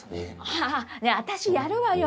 ああ私やるわよ。